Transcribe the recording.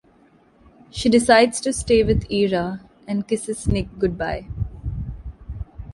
She decides to stay with Ira and kisses Nick good-bye.